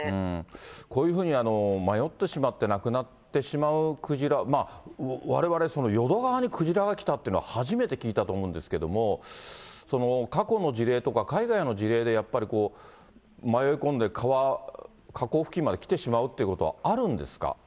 こういうふうに迷ってしまって亡くなってしまうクジラ、われわれその、淀川にクジラが来たっていうのは初めて聞いたと思うんですけれども、過去の事例とか海外の事例でやっぱりこう、迷い込んで河口付近まで来てしまうということはあるんですか。